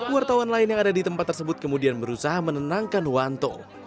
wartawan lain yang ada di tempat tersebut kemudian berusaha menenangkan wanto